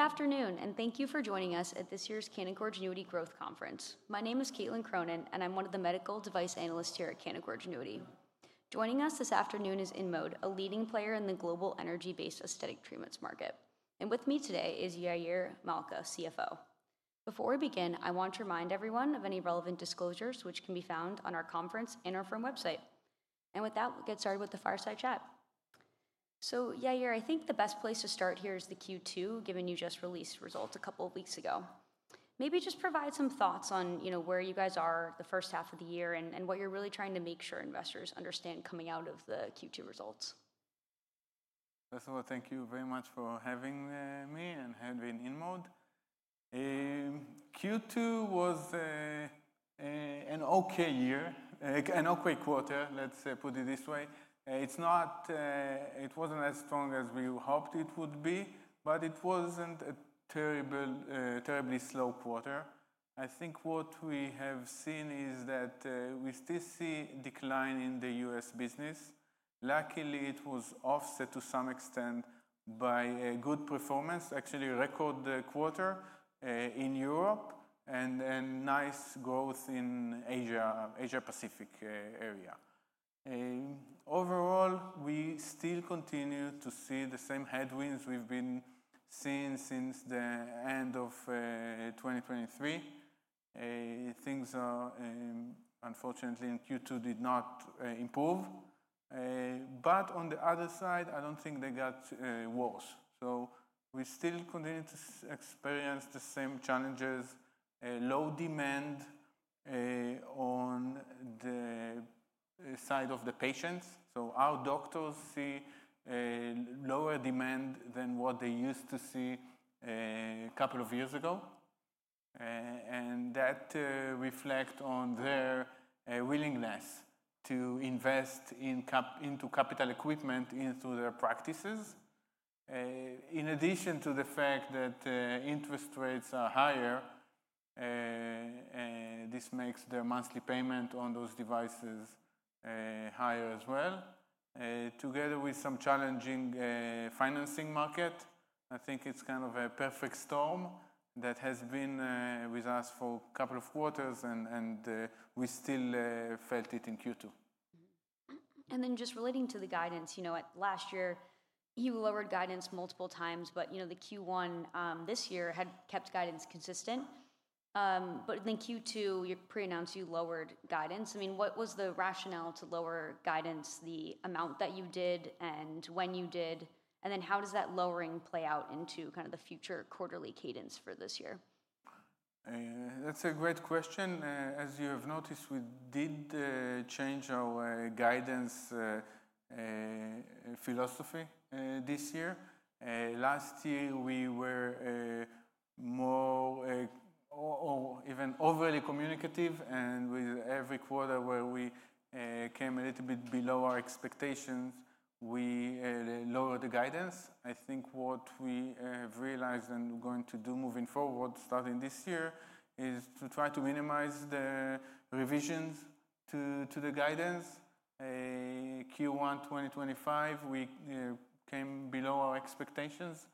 Good afternoon, and thank you for joining us at this year's Canaccord Genuity Growth Conference. My name is Caitlin Cronin, and I'm one of the Medical Device Analysts here at Canaccord Genuity. Joining us this afternoon is InMode, a leading player in the global energy-based aesthetic treatments market. With me today is Yair Malca, CFO. Before we begin, I want to remind everyone of any relevant disclosures, which can be found on our conference and our firm website. With that, we'll get started with the fireside chat. Yair, I think the best place to start here is the Q2, given you just released results a couple of weeks ago. Maybe just provide some thoughts on where you guys are the first half of the year and what you're really trying to make sure investors understand coming out of the Q2 results. First of all, thank you very much for having me and having InMode. Q2 was an okay year, an okay quarter, let's put it this way. It wasn't as strong as we hoped it would be, but it wasn't a terribly slow quarter. I think what we have seen is that we still see a decline in the U.S. business. Luckily, it was offset to some extent by a good performance, actually a record quarter in Europe, and then nice growth in the Asia-Pacific region. Overall, we still continue to see the same headwinds we've been seeing since the end of 2023. Things are, unfortunately, in Q2 did not improve. On the other side, I don't think they got worse. We still continue to experience the same challenges, low demand on the side of the patients. Our doctors see lower demand than what they used to see a couple of years ago. That reflects on their willingness to invest in capital equipment into their practices. In addition to the fact that interest rates are higher, this makes their monthly payment on those devices higher as well. Together with some challenging financing markets, I think it's kind of a perfect storm that has been with us for a couple of quarters, and we still felt it in Q2. Just relating to the guidance, last year, you lowered guidance multiple times. The Q1 this year had kept guidance consistent. In Q2, you pre-announced you lowered guidance. What was the rationale to lower guidance, the amount that you did, and when you did? How does that lowering play out into the future quarterly cadence for this year? That's a great question. As you have noticed, we did change our guidance philosophy this year. Last year, we were more or even overly communicative, and with every quarter where we came a little bit below our expectations, we lowered the guidance. I think what we have realized and we're going to do moving forward starting this year is to try to minimize the revisions to the guidance. Q1 2025, we came below our expectations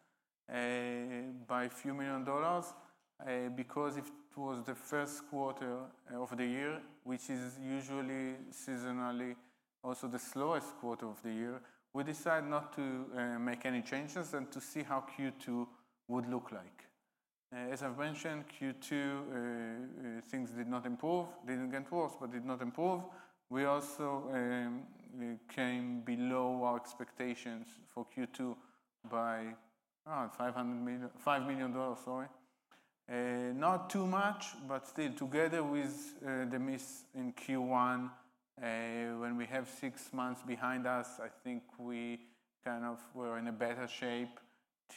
by a few million dollars because it was the first quarter of the year, which is usually seasonally also the slowest quarter of the year. We decided not to make any changes and to see how Q2 would look like. As I've mentioned, Q2, things did not improve, didn't get worse, but did not improve. We also came below our expectations for Q2 by around $5 million, $5 million, sorry. Not too much, but still, together with the miss in Q1, when we have six months behind us, I think we kind of were in a better shape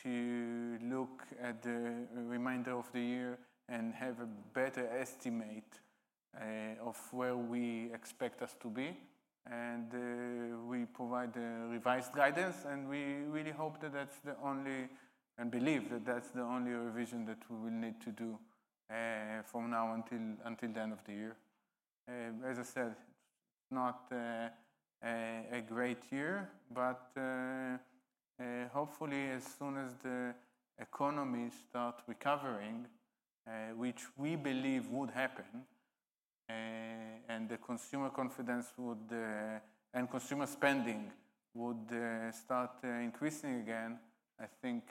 to look at the remainder of the year and have a better estimate of where we expect us to be. We provide the revised guidance, and we really hope that that's the only, and believe that that's the only revision that we will need to do from now until the end of the year. As I said, it's not a great year, but hopefully, as soon as the economy starts recovering, which we believe would happen, and the consumer confidence and consumer spending would start increasing again, I think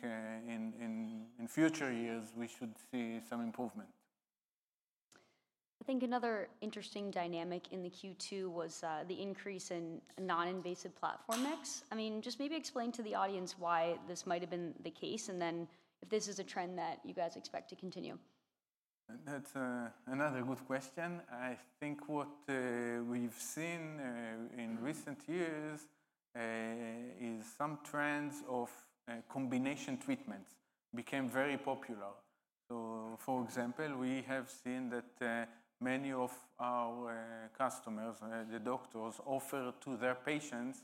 in future years, we should see some improvement. I think another interesting dynamic in the Q2 was the increase in non-invasive platform mix. Just maybe explain to the audience why this might have been the case, and then if this is a trend that you guys expect to continue. That's another good question. I think what we've seen in recent years is some trends of combination treatments became very popular. For example, we have seen that many of our customers, the doctors, offer to their patients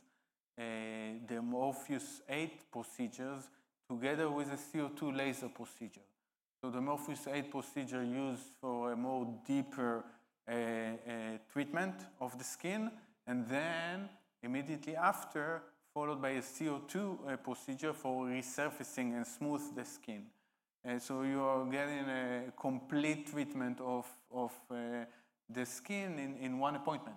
the Morpheus8 procedures together with a CO2 laser procedure. The Morpheus8 procedure is used for a more deeper treatment of the skin, and then immediately after, followed by a CO2 procedure for resurfacing and smoothing the skin. You are getting a complete treatment of the skin in one appointment.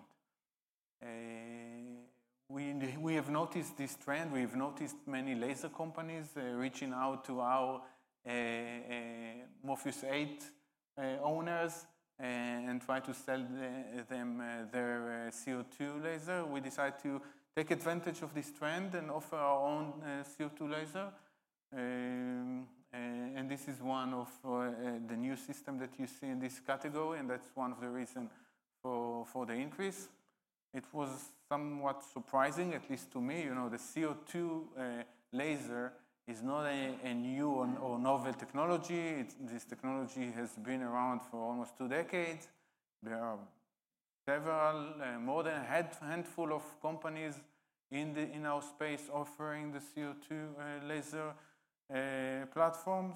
We have noticed this trend. We've noticed many laser companies reaching out to our Morpheus8 owners and trying to sell them their CO2 laser. We decided to take advantage of this trend and offer our own CO2 laser. This is one of the new systems that you see in this category, and that's one of the reasons for the increase. It was somewhat surprising, at least to me. The CO2 laser is not a new or novel technology. This technology has been around for almost two decades. There are several, more than a handful of companies in our space offering the CO2 laser platforms.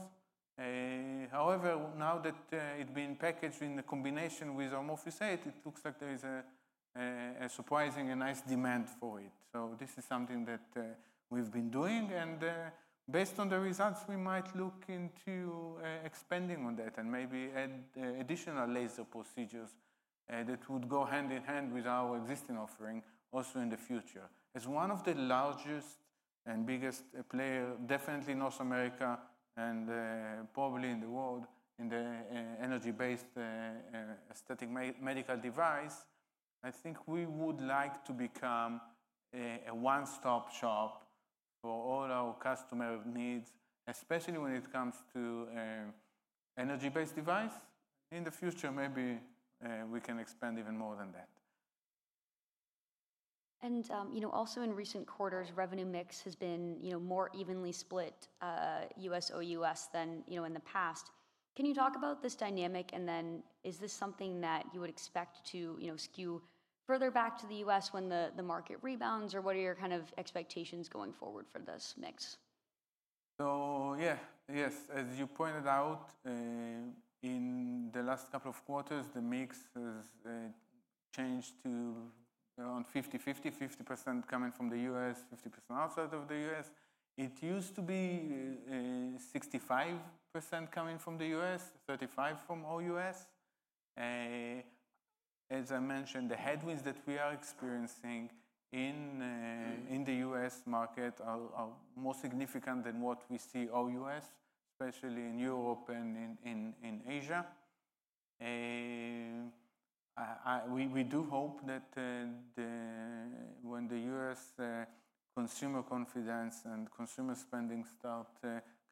However, now that it's been packaged in a combination with our Morpheus8, it looks like there is a surprising and nice demand for it. This is something that we've been doing, and based on the results, we might look into expanding on that and maybe add additional laser procedures that would go hand in hand with our existing offering also in the future. As one of the largest and biggest players, definitely in North America and probably in the world, in the energy-based aesthetic medical device, I think we would like to become a one-stop shop for all our customer needs, especially when it comes to an energy-based device. In the future, maybe we can expand even more than that. In recent quarters, revenue mix has been more evenly split U.S. or U.S. than in the past. Can you talk about this dynamic? Is this something that you would expect to skew further back to the U.S. when the market rebounds? What are your kind of expectations going forward for this mix? Yes, as you pointed out, in the last couple of quarters, the mix has changed to around 50-50, 50% coming from the U.S., 50% outside of the U.S. It used to be 65% coming from the U.S., 35% from outside the U.S. As I mentioned, the headwinds that we are experiencing in the U.S. market are more significant than what we see outside the U.S., especially in Europe and in the Asia region. We do hope that when U.S. consumer confidence and consumer spending start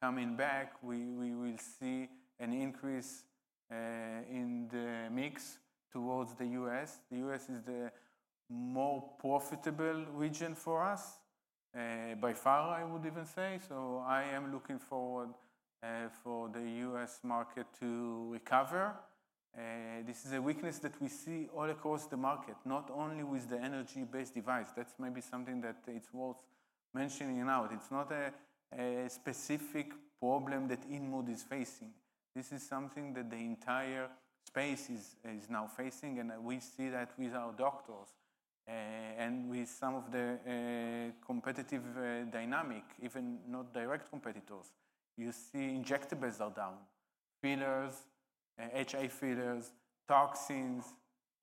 coming back, we will see an increase in the mix towards the U.S. The U.S. is the more profitable region for us, by far, I would even say. I am looking forward for the U.S. market to recover. This is a weakness that we see all across the market, not only with the energy-based device. That's maybe something that it's worth mentioning. It's not a specific problem that InMode is facing. This is something that the entire space is now facing, and we see that with our doctors and with some of the competitive dynamics, even not direct competitors. You see injectables are down. Fillers, HA fillers, toxins,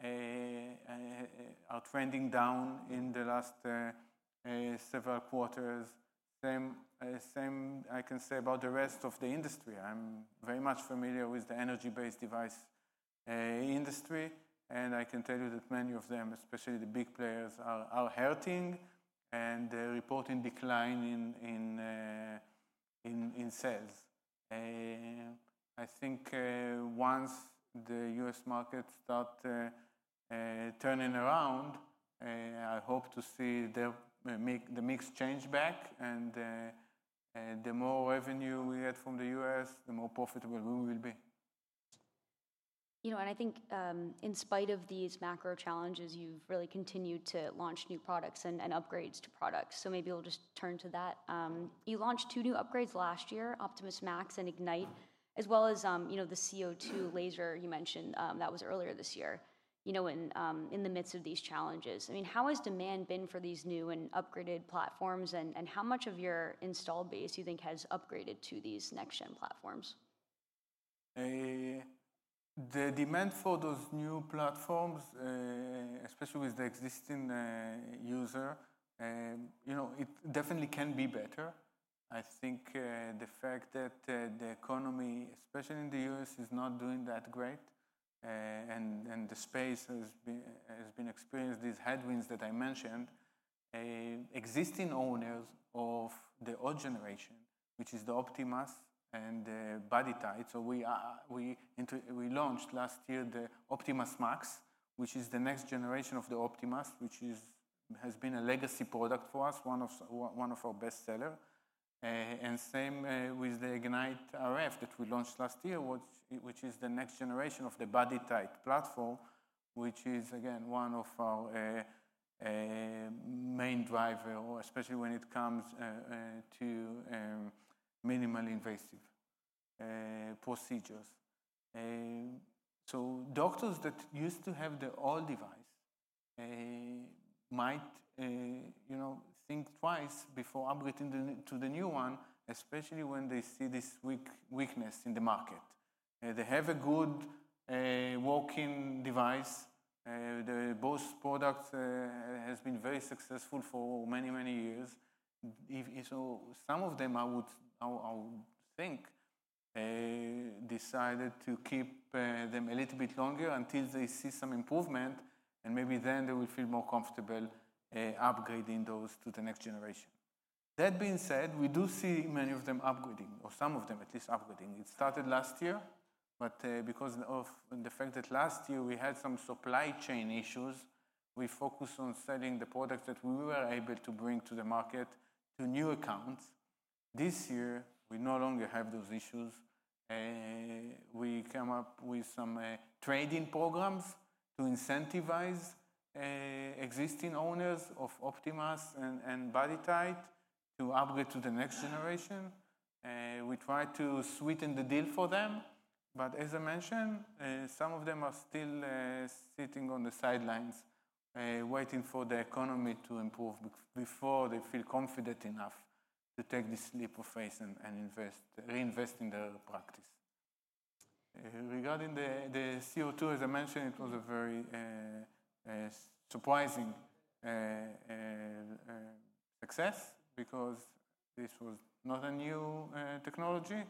are trending down in the last several quarters. Same I can say about the rest of the industry. I'm very much familiar with the energy-based device industry, and I can tell you that many of them, especially the big players, are hurting and reporting declines in sales. I think once the U.S. market starts turning around, I hope to see the mix change back, and the more revenue we get from the U.S., the more profitable we will be. You know, I think in spite of these macro challenges, you've really continued to launch new products and upgrades to products. Maybe we'll just turn to that. You launched two new upgrades last year, Optimus Max and Ignite, as well as the CO2 laser you mentioned that was earlier this year. In the midst of these challenges, how has demand been for these new and upgraded platforms? How much of your install base do you think has upgraded to these next-gen platforms? The demand for those new platforms, especially with the existing user, it definitely can be better. I think the fact that the economy, especially in the U.S., is not doing that great, and the space has been experiencing these headwinds that I mentioned. Existing owners of the old generation, which is the Optimus and the BodyTite. We launched last year the Optimus Max, which is the next generation of the Optimus, which has been a legacy product for us, one of our best sellers. Same with the Ignite RF that we launched last year, which is the next generation of the BodyTite platform, which is again one of our main drivers, especially when it comes to minimally invasive procedures. Doctors that used to have the old device might think twice before upgrading to the new one, especially when they see this weakness in the market. They have a good working device. Their base product has been very successful for many, many years. Some of them, I would think, decided to keep them a little bit longer until they see some improvement, and maybe then they will feel more comfortable upgrading those to the next generation. That being said, we do see many of them upgrading, or some of them at least upgrading. It started last year, but because of the fact that last year we had some supply chain issues, we focused on selling the products that we were able to bring to the market to new accounts. This year, we no longer have those issues. We came up with some trading programs to incentivize existing owners of Optimus and BodyTite to upgrade to the next generation. We tried to sweeten the deal for them, but as I mentioned, some of them are still sitting on the sidelines, waiting for the economy to improve before they feel confident enough to take this leap of faith and reinvest in their practice. Regarding the CO2, as I mentioned, it was a very surprising success because this was not a new technology,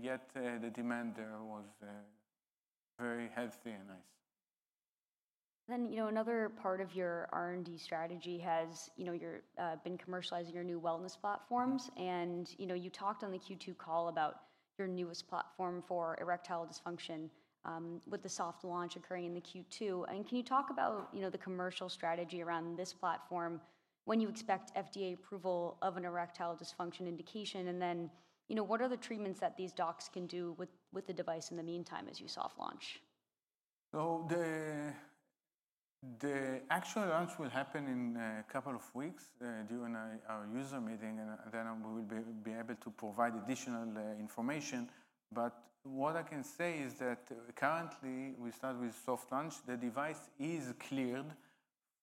yet the demand there was very healthy and nice. Another part of your R&D strategy has been commercializing your new wellness platforms. You talked on the Q2 call about your newest platform for erectile dysfunction with the soft launch occurring in Q2. Can you talk about the commercial strategy around this platform, when you expect FDA approval of an erectile dysfunction indication, and what are the treatments that these docs can do with the device in the meantime as you soft launch? The actual launch will happen in a couple of weeks during our user meeting, and then we will be able to provide additional information. What I can say is that currently, we start with soft launch. The device is cleared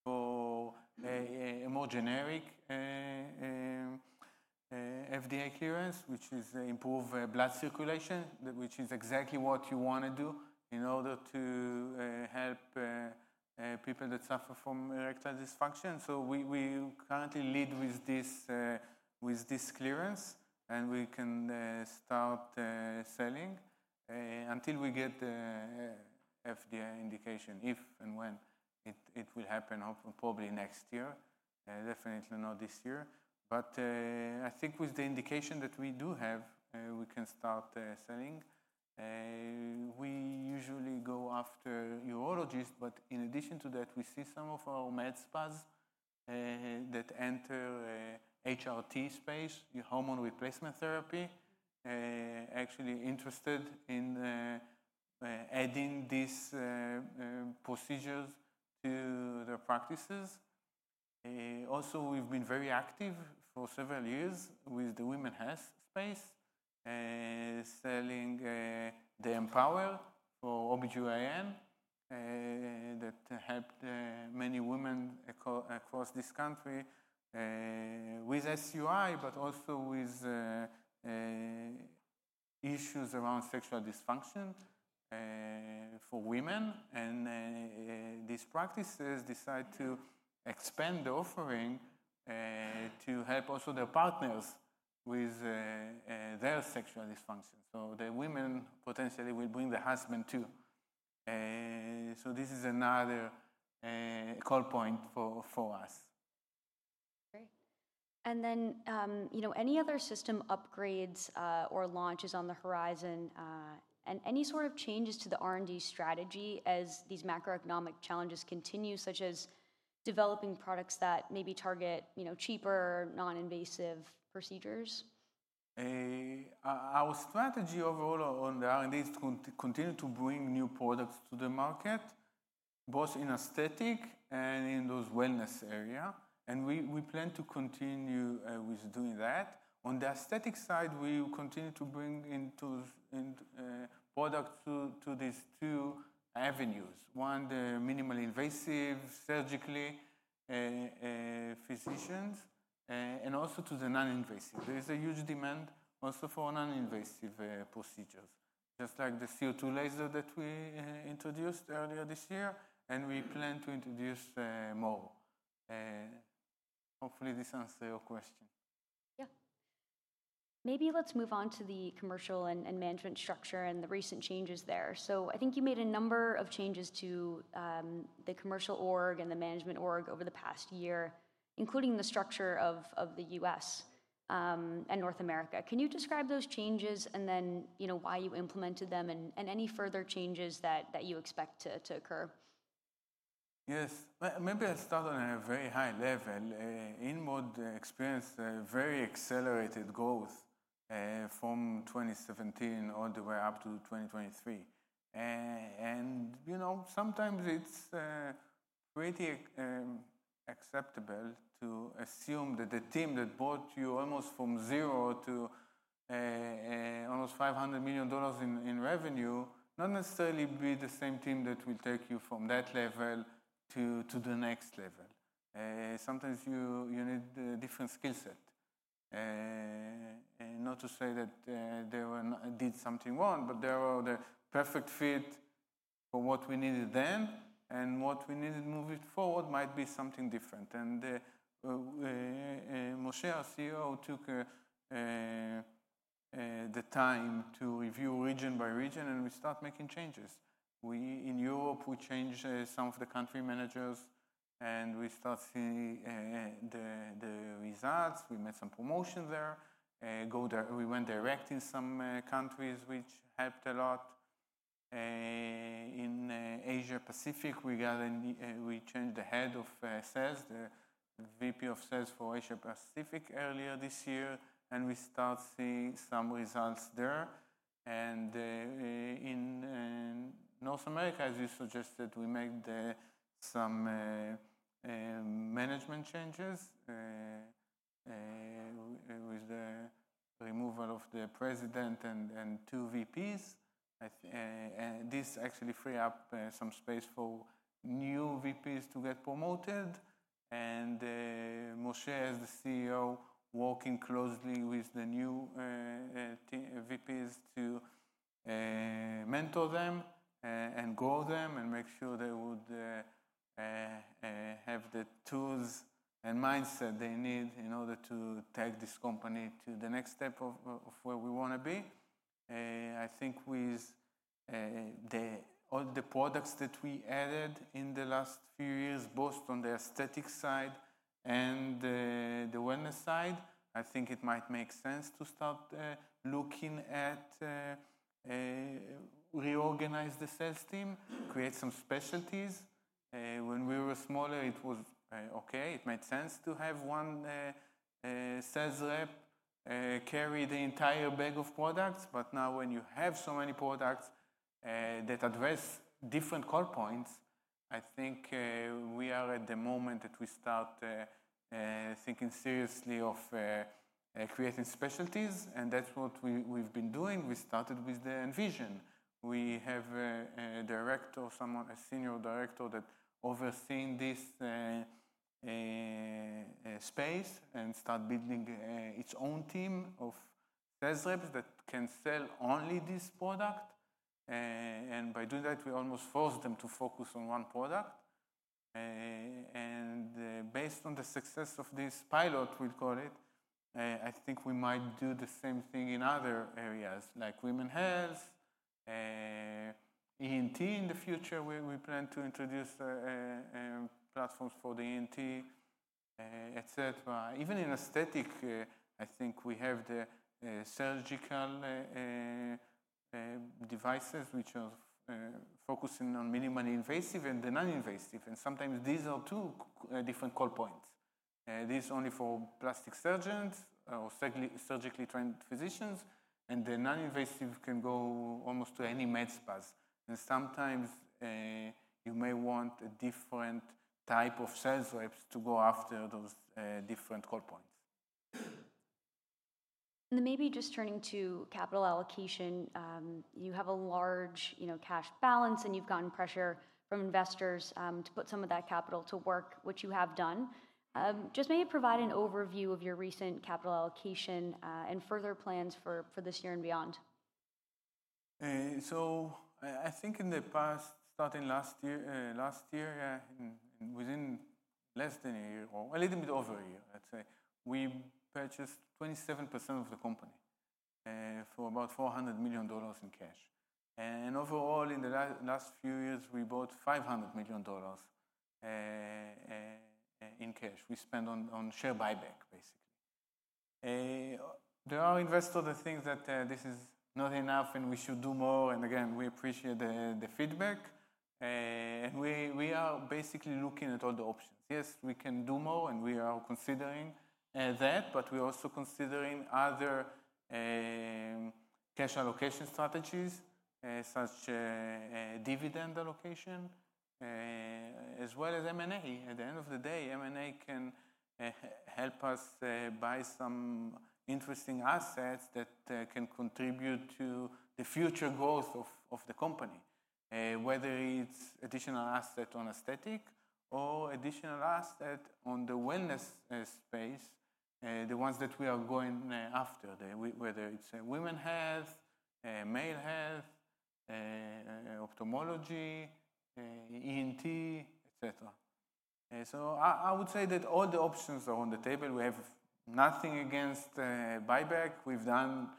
for a more generic FDA clearance, which is improved blood circulation, which is exactly what you want to do in order to help people that suffer from erectile dysfunction. We currently lead with this clearance, and we can start selling until we get the FDA indication if and when it will happen, probably next year, definitely not this year. I think with the indication that we do have, we can start selling. We usually go after urologists, but in addition to that, we see some of our med spas that enter the HRT space, hormone replacement therapy, actually interested in adding these procedures to their practices. We have been very active for several years with the women's health space, selling the Empowered OBGYN that helped many women across this country with SUI, but also with issues around sexual dysfunction for women. These practices decide to expand the offering to help also their partners with their sexual dysfunction. The women potentially will bring the husband too. This is another call point for us. Great. Are there any other system upgrades or launches on the horizon? Any sort of changes to the R&D strategy as these macroeconomic challenges continue, such as developing products that maybe target cheaper non-invasive procedures? Our strategy overall on the R&D is to continue to bring new products to the market, both in aesthetic and in those wellness areas. We plan to continue with doing that. On the aesthetic side, we continue to bring products to these two avenues: one, the minimally invasive surgically physicians, and also to the non-invasive. There is a huge demand also for non-invasive procedures, just like the CO2 laser that we introduced earlier this year, and we plan to introduce more. Hopefully, this answers your question. Yeah. Maybe let's move on to the commercial and management structure and the recent changes there. I think you made a number of changes to the commercial org and the management org over the past year, including the structure of the U.S. and North America. Can you describe those changes and then, you know, why you implemented them and any further changes that you expect to occur? Yes, maybe I'll start on a very high level. InMode experienced very accelerated growth from 2017 all the way up to 2023. Sometimes it's pretty acceptable to assume that the team that brought you almost from zero to almost $500 million in revenue will not necessarily be the same team that will take you from that level to the next level. Sometimes you need a different skill set. Not to say that they did something wrong, but they were the perfect fit for what we needed then, and what we needed moving forward might be something different. Moshe, our CEO, took the time to review region by region, and we started making changes. In Europe, we changed some of the country managers, and we started seeing the results. We made some promotions there. We went direct in some countries, which helped a lot. In the Asia-Pacific region, we changed the Head of Sales, the VP of Sales for Asia-Pacific earlier this year, and we started seeing some results there. In North America, as you suggested, we made some management changes with the removal of the President and two VPs. This actually freed up some space for new VPs to get promoted. Moshe, as the CEO, is working closely with the new VPs to mentor them and grow them and make sure they would have the tools and mindset they need in order to take this company to the next step of where we want to be. I think with all the products that we added in the last few years, both on the aesthetic side and the wellness side, it might make sense to start looking at reorganizing the sales team, creating some specialties. When we were smaller, it was okay. It made sense to have one sales rep carry the entire bag of products. Now, when you have so many products that address different call points, I think we are at the moment that we start thinking seriously of creating specialties. That's what we've been doing. We started with the Envision. We have a Director, a Senior Director, that oversees this space and starts building its own team of sales reps that can sell only this product. By doing that, we almost force them to focus on one product. Based on the success of this pilot, we'll call it, we might do the same thing in other areas, like women's health, ENT in the future. We plan to introduce platforms for the ENT, etc. Even in aesthetics, we have the surgical devices, which are focusing on minimally invasive and the non-invasive. Sometimes these are two different call points. These are only for plastic surgeons or surgically trained physicians, and the non-invasive can go almost to any med spas. Sometimes you may want a different type of sales reps to go after those different call points. Maybe just turning to capital allocation, you have a large, you know, cash balance, and you've gotten pressure from investors to put some of that capital to work, which you have done. Just maybe provide an overview of your recent capital allocation and further plans for this year and beyond. I think in the past, starting last year, last year, and within less than a year, or a little bit over a year, I'd say, we purchased 27% of the company for about $400 million in cash. Overall, in the last few years, we bought $500 million in cash. We spent on share buyback, basically. There are investors that think that this is not enough and we should do more. We appreciate the feedback. We are basically looking at all the options. Yes, we can do more, and we are considering that, but we're also considering other cash allocation strategies, such as dividend allocation, as well as M&A. At the end of the day, M&A can help us buy some interesting assets that can contribute to the future goals of the company, whether it's additional assets on aesthetics or additional assets on the wellness space, the ones that we are going after, whether it's women's health, male health, ophthalmology, ENT, etc. I would say that all the options are on the table. We have nothing against buyback. We've done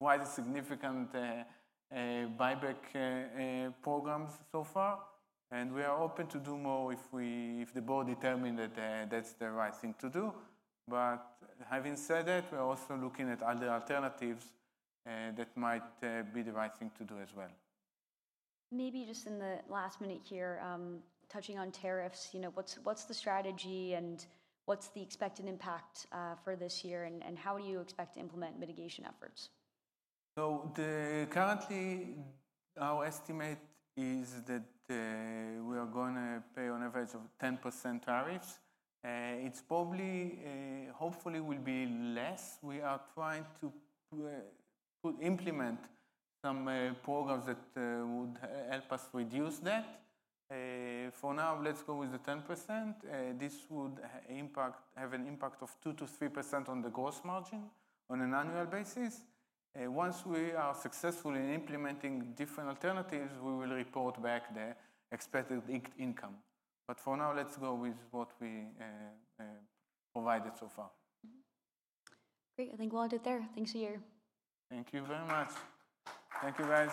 quite a significant buyback program so far, and we are open to do more if the board determines that that's the right thing to do. Having said that, we're also looking at other alternatives that might be the right thing to do as well. Maybe just in the last minute here, touching on tariffs, what's the strategy and what's the expected impact for this year, and how do you expect to implement mitigation efforts? Currently, our estimate is that we are going to pay on average 10% tariffs. It's probably, hopefully, will be less. We are trying to implement some programs that would help us reduce that. For now, let's go with the 10%. This would have an impact of 2%-3% on the gross margin on an annual basis. Once we are successful in implementing different alternatives, we will report back the expected income. For now, let's go with what we provided so far. Great. I think we'll end it there. Thanks, Yair. Thank you very much. Thank you, guys.